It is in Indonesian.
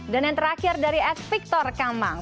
dan yang terakhir dari ad victor kamang